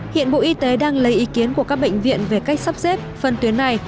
hiện bộ y tế đang lấy ý kiến của các bệnh viện về cách sắp xếp phân tuyến này